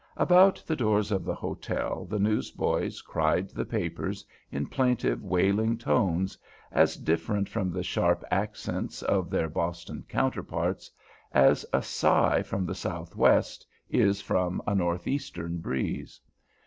About the doors of the hotel the news boys cried the papers in plaintive, wailing tones, as different from the sharp accents of their Boston counterparts as a sigh from the southwest is from a northeastern breeze.